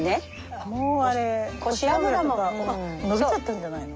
もうあれコシアブラも伸びちゃったんじゃないの？